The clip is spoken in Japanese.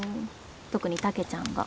特にたけちゃんが。